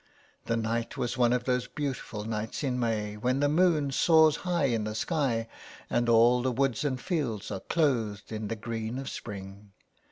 The night was one of those beautiful nights in May, when the moon soars high in the sky, and all the woods and fields are clothed in the green of spring.